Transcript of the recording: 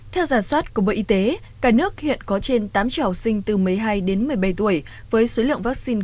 theo giả soát của bộ y tế cả nước hiện có trên tám triệu học sinh từ một mươi hai đến một mươi bảy tuổi với số lượng vaccine